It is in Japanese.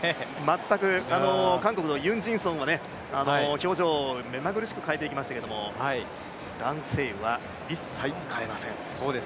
韓国のユン・ジンソンは表情を目まぐるしく変えていきましたけれども、蘭星宇は一切、変えません。